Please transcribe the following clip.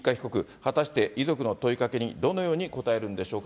果たして遺族の問いかけにどのように答えるんでしょうか。